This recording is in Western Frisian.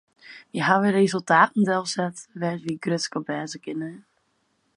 Wy hawwe resultaten delset dêr't wy grutsk op wêze kinne.